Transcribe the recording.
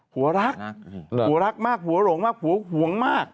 หัวรักหัวรักมากหัวหลงมากผัวห่วงมาก